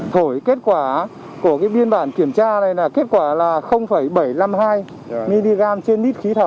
thổi kết quả của biên bản kiểm tra này là kết quả là bảy trăm năm mươi hai mg trên lít khí thở